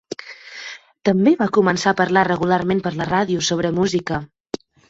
També va començar a parlar regularment per la ràdio sobre música.